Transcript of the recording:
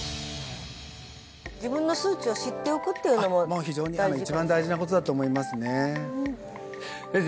自分の数値を知っておくっていうのももう非常に一番大事なことだと思いますね先生